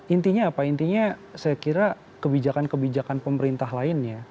intinya apa intinya saya kira kebijakan kebijakan pemerintah lainnya